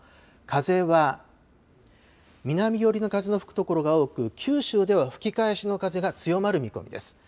風は南寄りの風の吹くところが多く、九州では吹き返しの風が強まる見込みです。